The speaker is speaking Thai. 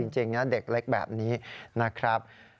จริงนะเด็กเล็กแบบนี้นะครับ